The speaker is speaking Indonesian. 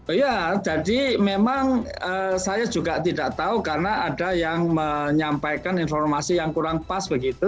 oh iya jadi memang saya juga tidak tahu karena ada yang menyampaikan informasi yang kurang pas begitu